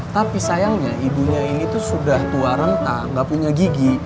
tapi sayangnya ibunya ini tuh sudah tua renta gak punya gigi